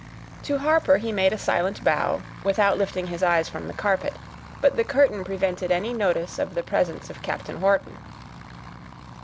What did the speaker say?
To Harper he made a silent bow, without lifting his eyes from the carpet; but the curtain prevented any notice of the presence of Captain Wharton.